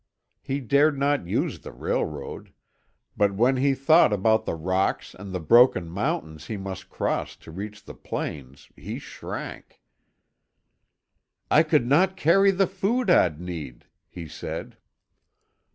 He dared not use the railroad; but when he thought about the rocks and broken mountains he must cross to reach the plains he shrank. "I could not carry the food I'd need," he said.